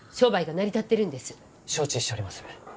承知しております。